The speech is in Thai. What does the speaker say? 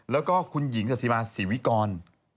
แล้วก็คุณหญิงกษิมาศรีวิกร